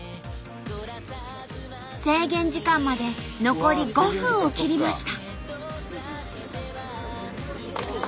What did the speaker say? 制限時間まで残り５分を切りました。